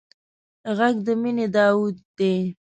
غږ د مینې داوود دی